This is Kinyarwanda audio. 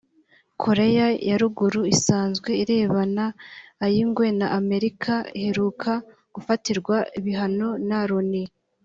Koreya ya Ruguru isanzwe irebana ay’ingwe na Amerika iheruka gufatirwa ibihano na Loni